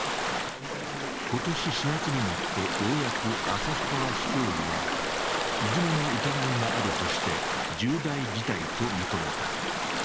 今年４月になってようやく旭川市教委は、いじめの疑いがあるとして重大事態と認めた。